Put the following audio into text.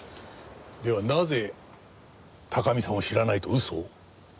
ではなぜ高見さんを知らないと嘘を？